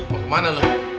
mau kemana lu